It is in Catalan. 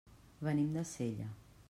Venim de Sella.